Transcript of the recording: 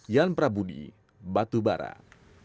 yan prabudi batu barat